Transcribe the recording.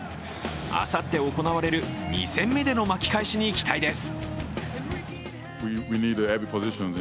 あさって行われる２戦目での巻き返しに期待です。